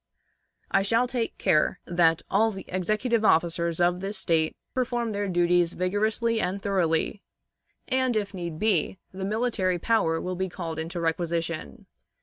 I shall take care that all the executive officers of this State perform their duties vigorously and thoroughly, and, if need be, the military power will be called into requisition.